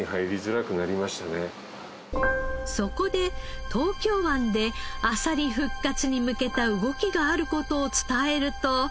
そこで東京湾であさり復活に向けた動きがある事を伝えると。